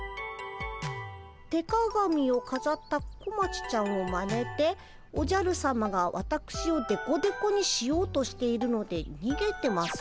「手鏡をかざった小町ちゃんをまねておじゃるさまがわたくしをデコデコにしようとしているのでにげてます」。